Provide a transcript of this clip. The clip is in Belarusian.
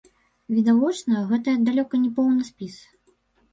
Відавочна, гэта далёка не поўны спіс.